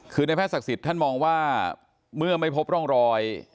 คือในแพทย์ศักดิ์สิทธิ์ท่านมองว่าเมื่อไม่พบร่องรอย